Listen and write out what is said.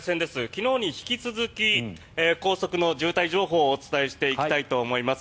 昨日に引き続き高速の渋滞情報をお伝えしていきたいと思います。